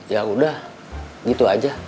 ya udah gitu aja